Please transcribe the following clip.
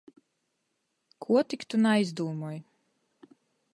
Kuo tik tu naizdūmoj!